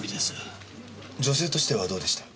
女性としてはどうでした？